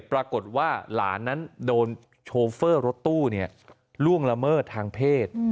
ปรากฏว่าหลานนั้นโดนโชเฟอร์รถตู้ล่วงละเมิดทางเพศ